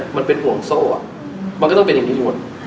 มันเป็นห่วงโซออดมันก็ต้องเป็นอย่างนี้หมด